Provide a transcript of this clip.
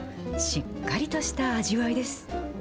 しっかりとした味わいです。